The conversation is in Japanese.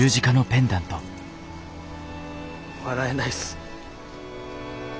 笑えないっす。